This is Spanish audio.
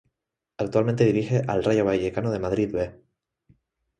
Actualmente dirige al Rayo Vallecano de Madrid "B".